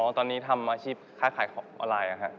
ตอนนี้ทำอาชีพค้าขายของออนไลน์